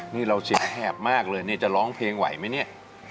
นี่เราเชียงแหบมากเลยจะร้องเพลงไหวไหมนี่